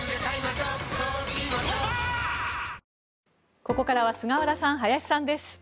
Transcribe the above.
ここからは菅原さん、林さんです。